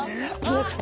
あっ！